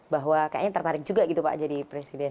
bahwa kayaknya tertarik juga gitu pak jadi presiden